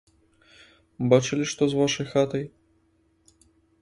Бачылі, што з вашай хатай?